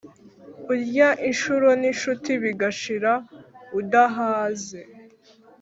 Urya inshuro n’incuti bigashira udahaze.